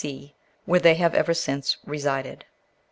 C., where they have ever since resided.